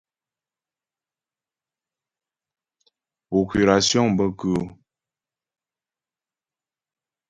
Procurasyɔŋ bə kʉ́ʉ́ ?